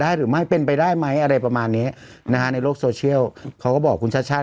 ได้หรือไม่เป็นไปได้ไหมอะไรประมาณนี้นะฮะในหลคคุณชาชาส